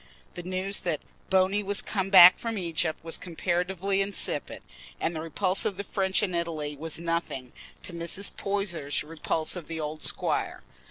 The news that "Bony" was come back from Egypt was comparatively insipid, and the repulse of the French in Italy was nothing to Mrs. Poyser's repulse of the old squire.